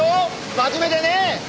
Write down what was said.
真面目でね。